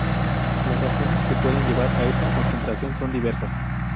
Las razones que puedan llevar a esa concentración son diversas.